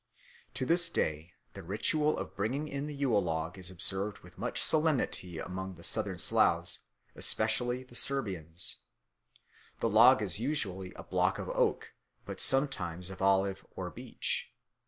To this day the ritual of bringing in the Yule log is observed with much solemnity among the Southern Slavs, especially the Serbians. The log is usually a block of oak, but sometimes of olive or beech.